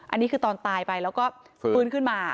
อันนี้คือตอนตายไปแล้วก็ฟื้นขึ้นมา